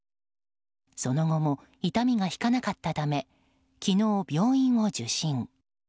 その後も痛みが引かなかったため昨日、病院を受診。